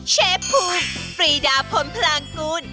เชฟภูมิปรีดาพลพลางกูล